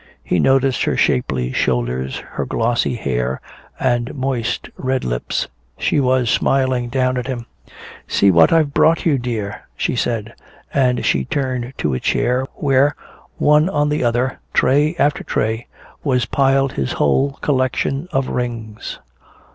He noticed her shapely shoulders, her glossy hair and moist red lips. She was smiling down at him. "See what I've brought you, dear," she said. And she turned to a chair where, one on the other, tray after tray, was piled his whole collection of rings.